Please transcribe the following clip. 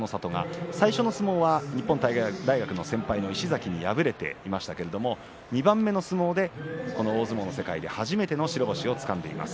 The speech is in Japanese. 最初の相撲は日本体育大学の先輩石崎に敗れましたけれど２番目の相撲で大相撲の世界で初めての白星をつかんでいます。